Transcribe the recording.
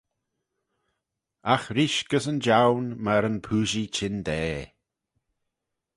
Agh reesht gys yn joan myr yn pooishee çhyndaa.